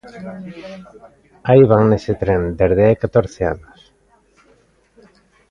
Aí van nese tren, dende hai catorce anos.